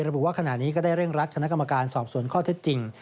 ระบุว่าขณะนี้ก็ได้เร่งรัดคณะกรรมการสอบสวนข้อเท็จจริง